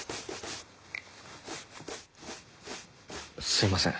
すみません。